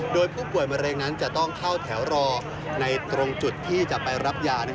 โดยผู้ป่วยมะเร็งนั้นจะต้องเข้าแถวรอในตรงจุดที่จะไปรับยา